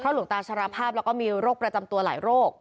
หลวงตาชรภาพแล้วก็มีโรคประจำตัวหลายโรค